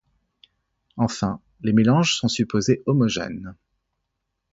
Enfin, les mélanges sont supposés homogènes.